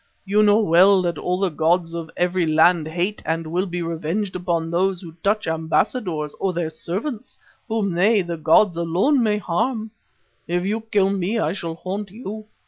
You know well that all the gods of every land hate and will be revenged upon those who touch ambassadors or their servants, whom they, the gods, alone may harm. If you kill me I shall haunt you.